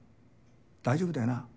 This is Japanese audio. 大丈夫だよな？